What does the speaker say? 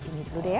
ini dulu deh ya